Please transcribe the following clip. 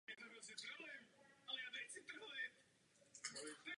Během španělské občanské války bylo přestavěno na vojenské letiště.